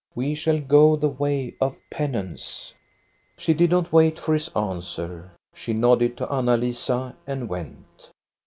We shall go the way of penance." She did not wait for his answer. She nodded to Anna Lisa and went.